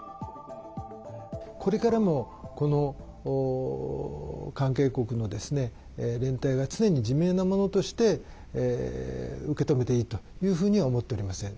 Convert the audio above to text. これからもこの関係国の連帯が常に自明のものとして受け止めていいというふうには思っておりません。